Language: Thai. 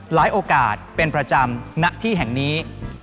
โอกาสเป็นประจำณที่แห่งนี้